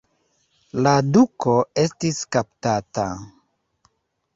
La duko estis kaptata.